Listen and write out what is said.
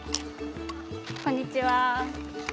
こんにちは。